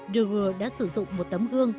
de waal đã sử dụng một tấm gương